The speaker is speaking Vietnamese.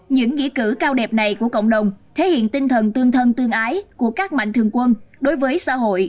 những nghĩa cử cao đẹp này của cộng đồng thể hiện tinh thần tương thân tương ái của các mạnh thường quân đối với xã hội